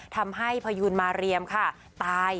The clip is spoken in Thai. ทำให้พยูนมาเรียมค่ะตาย